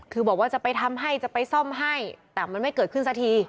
คือบอกว่าจะไปทำให้จะไปซ่อมให้แต่มันไม่เกิดขึ้นสักที